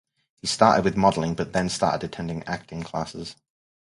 He started with modeling, but then started attending acting classes.